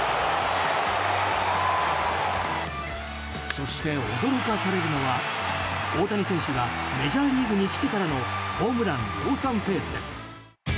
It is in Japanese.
そして驚かされるのは大谷選手がメジャーリーグに来てからのホームラン量産ペースです。